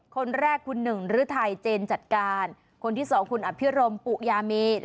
คนแรกคุณหนึ่งฤทัยเจนจัดการคนที่สองคุณอภิรมปุยามีน